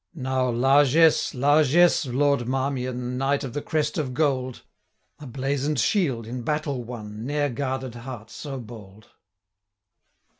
'Now, largesse, largesse, Lord Marmion, Knight of the crest of gold! A blazon'd shield, in battle won, 165 Ne'er guarded heart so bold.'